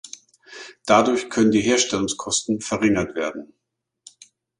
Dadurch können die Herstellungskosten verringert werden.